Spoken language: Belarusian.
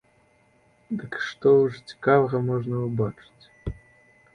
Дык што ж цікавага можна ўбачыць?